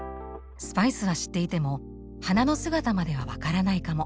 スパイスは知っていても花の姿までは分からないかも。